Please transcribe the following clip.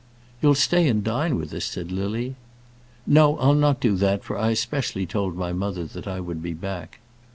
"You'll stay and dine with us," said Lily. "No, I'll not do that, for I especially told my mother that I would be back."